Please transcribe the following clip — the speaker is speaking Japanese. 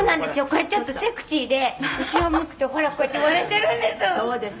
「これちょっとセクシーで後ろを向くとほらこうやって割れてるんです！」